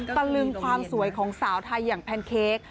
ตะลึงความสวยของสาวไทยอย่างแพนเค้ก